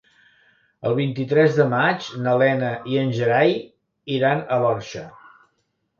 El vint-i-tres de maig na Lena i en Gerai iran a l'Orxa.